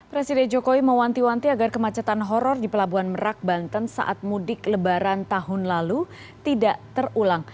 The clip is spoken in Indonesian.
presiden jokowi mewanti wanti agar kemacetan horror di pelabuhan merak banten saat mudik lebaran tahun lalu tidak terulang